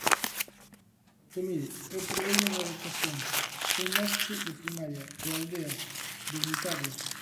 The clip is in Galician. Porque mire, eu proveño da educación, son mestre de primaria, de aldea, de unitaria.